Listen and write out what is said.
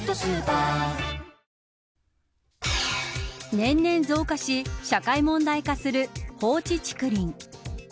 年々増加し社会問題化する放置竹林。